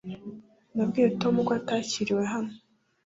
Nabwiye Tom ko atakiriwe hano